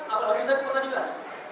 apalagi di setiap keadilan